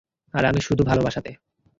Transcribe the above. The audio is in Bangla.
আর আমি শুধু ভালোবাসাতে।